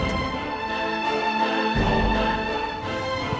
papa mama gak berantem